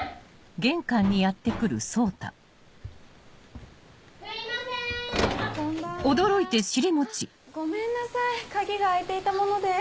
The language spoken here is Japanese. あっごめんなさい鍵が開いていたもので。